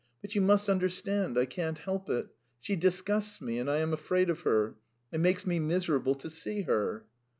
But, you must understand, I can't help it. She disgusts me and I am afraid of her. It makes me miserable to see her."